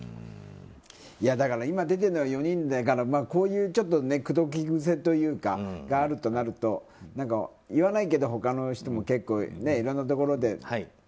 今出ているのは４人だからこういう口説き癖があったとすると言わないけど、他の人も結構いろんなところで。